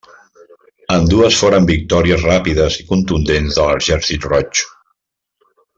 Ambdues foren victòries ràpides i contundents de l'Exèrcit Roig.